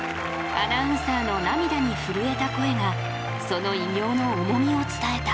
アナウンサーの涙に震えた声がその偉業の重みを伝えた。